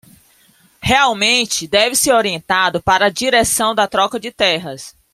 Realmente deve ser orientado para a direção da troca de terras